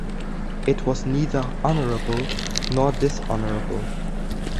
It was neither honorable nor dishonorable.